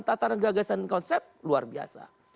sataran gagasan dan konsep luar biasa